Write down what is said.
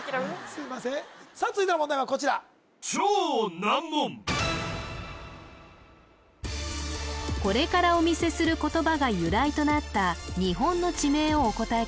すいませんさあ続いての問題はこちらこれからお見せする言葉が由来となった日本の地名をお答え